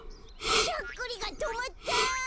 しゃっくりがとまった！